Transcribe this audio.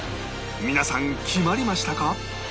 皆さん決まりましたか？